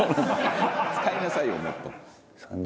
使いなさいよもっと」